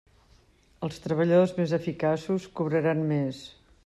Els treballadors més eficaços cobraran més.